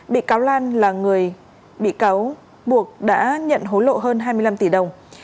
bị cáo lan là người bị cáo buộc đã nhận hối lộ hơn hai mươi năm tỷ đồng